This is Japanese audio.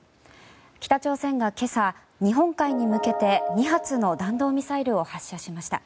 北朝鮮が今朝、日本海に向けて２発の弾道ミサイルを発射しました。